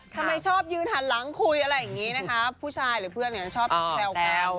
ทำไมชอบยืนหันหลังคุยอะไรอย่างนี้นะคะผู้ชายหรือเพื่อนชอบแซวกัน